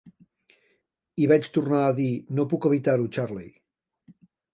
I vaig tornar a dir: "No puc evitar-ho, Charley".